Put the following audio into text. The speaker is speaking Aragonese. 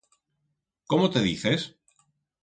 Cómo te dices?